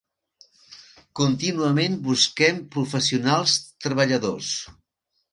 Contínuament busquem professionals treballadors.